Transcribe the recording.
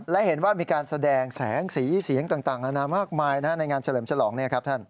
และเห็นว่ามีการแสดงแสงสีเสียงต่างอาณามากมายในงานเฉลิมชะลองเนี่ยครับท่าน